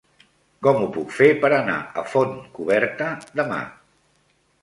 Com ho puc fer per anar a Fontcoberta demà?